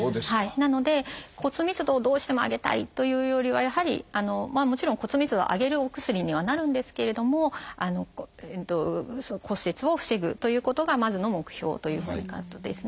なので骨密度をどうしても上げたいというよりはやはりもちろん骨密度を上げるお薬にはなるんですけれども骨折を防ぐということがまずの目標ということになるんですね。